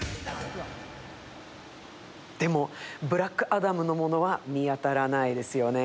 でも、「ブラックアダム」のものは見当たらないですよね。